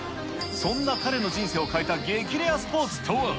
そんな彼の人生を変えた激レアスポーツとは。